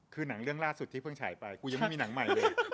คือหนังเรื่องล่าสุดที่เพิ่งฉายไปกูยังไม่มีหนังใหม่เลย